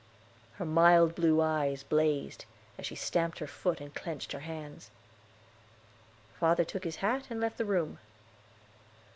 Her mild blue eyes blazed, as she stamped her foot and clenched her hands. Father took his hat and left the room.